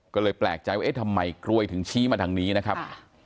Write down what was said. ก็เลยแปลกใจว่าเอ๊ะทำไมกล้วยถึงชี้มาทางนี้นะครับ